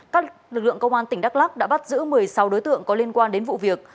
các lực lượng công an tỉnh đắk lắc đã bắt giữ một mươi sáu đối tượng có liên quan đến vụ việc